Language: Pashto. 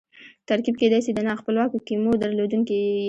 ترکیب کېدای سي د نا خپلواکو کیمو درلودونکی يي.